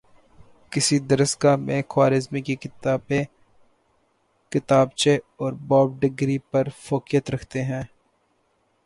کسی درسگاہ میں خوارزمی کی کتابیں کتابچے اور باب ڈگری پر فوقیت رکھتے ہیں